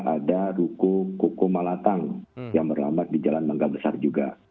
ada ruko kuku malatang yang berlambat di jalan mangga besar juga